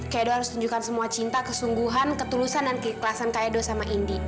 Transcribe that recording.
kak edo harus tunjukkan semua cinta kesungguhan ketulusan dan keikhlasan kak edo sama indi